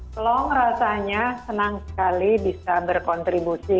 slong rasanya senang sekali bisa berkontribusi